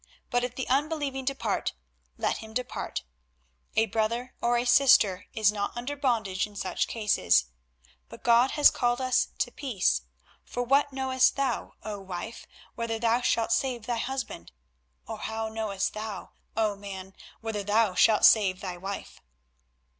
But if the unbelieving depart, let him depart. A brother or a sister is not under bondage in such cases; but God has called us to peace. For what knowest thou, O wife, whether thou shalt save thy husband? or how knowest thou, O man, whether thou shalt save thy wife?"